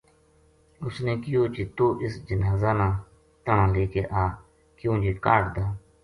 اس نے کہیو جے توہ اس جنازہ نا تنہاں لے آ کیوں جے کاہڈ دا